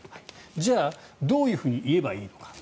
じゃあ、どういうふうに言えばいいのか。